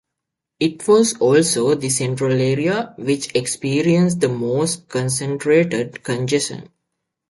It was also the central area which experienced the most concentrated congestion.